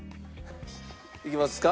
いきますか？